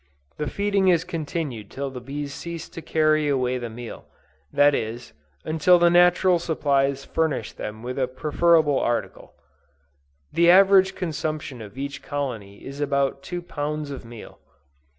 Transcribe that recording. The feeding is continued till the bees cease to carry away the meal; that is, until the natural supplies furnish them with a preferable article. The average consumption of each colony is about two pounds of meal!